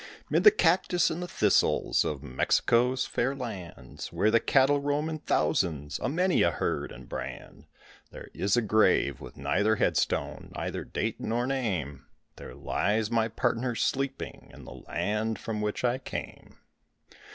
'Mid the cactus and the thistles of Mexico's fair lands, Where the cattle roam in thousands, a many a herd and brand, There is a grave with neither headstone, neither date nor name, There lies my partner sleeping in the land from which I came.